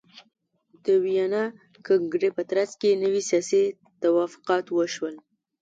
د ویانا کنګرې په ترڅ کې نوي سیاسي توافقات وشول.